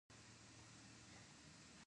د سلسله مراتبو ګټه په اداره کې نظم دی.